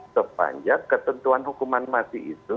sepanjang ketentuan hukuman mati itu